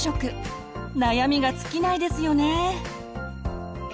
悩みが尽きないですよね。